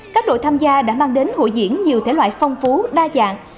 các đội tham gia đã mang đến hội diễn nhiều thể loại phong phú đa dạng